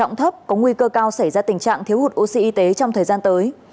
lượng thấp có nguy cơ cao xảy ra tình trạng thiếu hụt oxy y tế trong thời gian tới